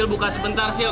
sil buka sebentar sil